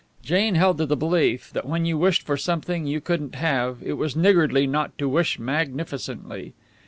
Jane held to the belief that when you wished for something you couldn't have it was niggardly not to wish magnificently.